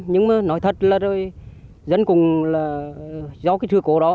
nhưng mà nói thật là rồi dân cũng do cái trừ cổ đó